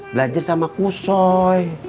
belajar sama kusoi